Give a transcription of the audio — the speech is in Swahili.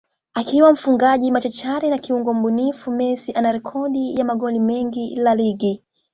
akiwa mfungaji machachari na kiungo mbunifu Messi ana Rekodi ya magoli mengi La Liga